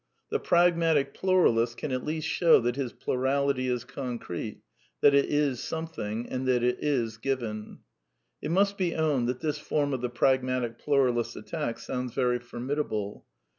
The pragmatic pluralist can at least show that his plurality is concrete, that it is something, and that it is " given." It must be owned that this form of the pragmatic (^ pluralist's attack sounds very formidable.